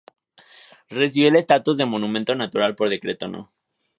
Recibió el estatus de monumento natural por decreto No.